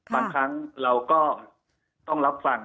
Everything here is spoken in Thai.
บางครั้งเราก็ต้องรับฟัง